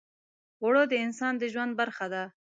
اوړه د انسان د ژوند برخه ده